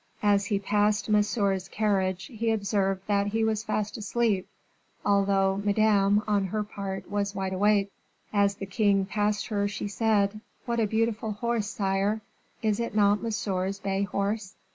As he passed Monsieur's carriage, he observed that he was fast asleep, although Madame, on her part, was wide awake. As the king passed her she said, "What a beautiful horse, sire! Is it not Monsieur's bay horse?"